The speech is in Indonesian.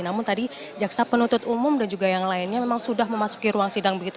namun tadi jaksa penuntut umum dan juga yang lainnya memang sudah memasuki ruang sidang begitu